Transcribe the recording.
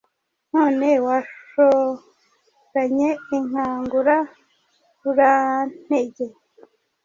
None washoranye inkangura Urantege